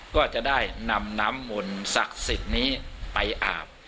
ก็จะได้นำน้ำมนต์ศักดิ์สิทธิ์นี้ไปอาบ